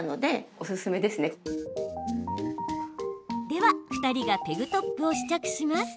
では、２人がペグトップを試着します。